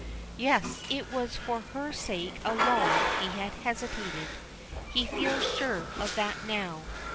Yes! it was for her sake alone he had hesitated. He feels sure of that now.